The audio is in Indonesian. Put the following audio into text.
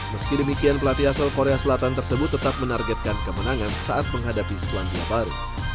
meski demikian pelatih asal korea selatan tersebut tetap menargetkan kemenangan saat menghadapi selandia baru